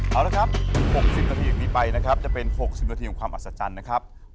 เอาละครับ๖๐นาทีอย่างนี้ไปนะครับจะเป็น๖๐นาทีของความอัศจรรย์นะครับ